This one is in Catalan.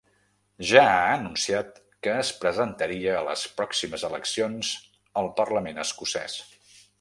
Ja ha anunciat que es presentaria a les pròximes eleccions al parlament escocès.